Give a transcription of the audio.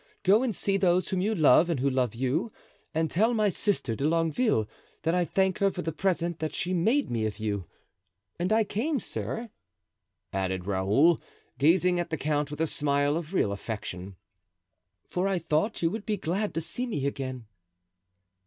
Go and see those whom you love and who love you, and tell my sister De Longueville that I thank her for the present that she made me of you.' And I came, sir," added Raoul, gazing at the count with a smile of real affection, "for I thought you would be glad to see me again."